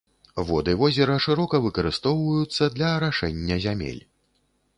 Воды возера шырока выкарыстоўваюцца для арашэння зямель.